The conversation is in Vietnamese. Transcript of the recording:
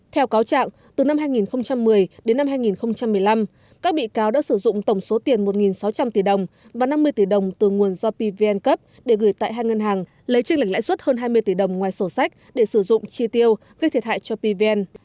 theo cáo trạng từ năm hai nghìn một mươi đến năm hai nghìn một mươi năm các bị cáo đã sử dụng tổng số tiền một sáu trăm linh tỷ đồng và năm mươi tỷ đồng từ nguồn do pvn cấp để gửi tại hai ngân hàng lấy trinh lệnh lãi suất hơn hai mươi tỷ đồng ngoài sổ sách để sử dụng chi tiêu gây thiệt hại cho pvn